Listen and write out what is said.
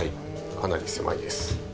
かなり狭いです。